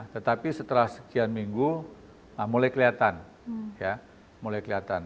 tetapi setelah sekian minggu mulai kelihatan